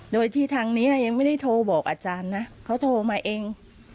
โดยที่ทางนี้ยังไม่ได้โทรบอกอาจารย์นะเขาโทรมาเอง